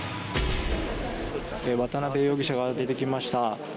渡邉容疑者が出てきました。